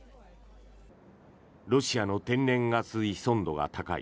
ロシアの天然ガス依存度が高い